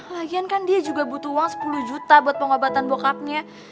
lagian kan dia juga butuh uang sepuluh juta buat pengobatan bokapnya